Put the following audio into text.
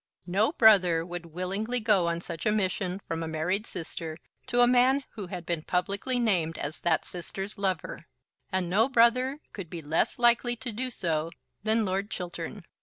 No brother would willingly go on such a mission from a married sister to a man who had been publicly named as that sister's lover; and no brother could be less likely to do so than Lord Chiltern.